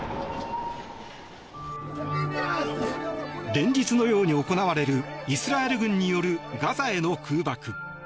連日のように行われるイスラエル軍によるガザへの空爆。